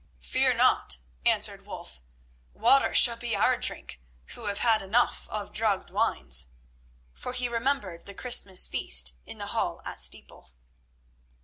"Fear not," answered Wulf. "Water shall be our drink, who have had enough of drugged wines," for he remembered the Christmas feast in the Hall at Steeple.